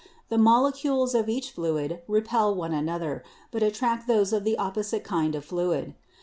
The mole cules of either fluid repel one another, but attract those of the opposite kind of fluid.